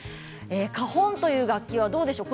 カホンという楽器はどうでしょう